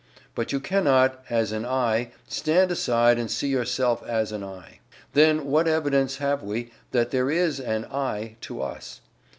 But you cannot, as an "I," stand aside and see yourself as an "I." Then what evidence have we that there is an "I" to us?